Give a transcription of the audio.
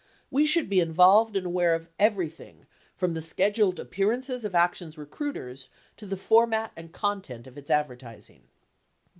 We should be involved and aware of everything from the scheduled ap pearances of ACTION'S recruiters to the format and content of its advertising."